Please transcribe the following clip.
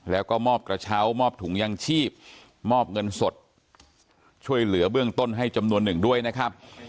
แล้วก็มอบกระเช้ามอบถุงยังชีพมอบเงินสดช่วยเหลือเบื้องต้นให้จำนวนหนึ่งด้วยนะครับ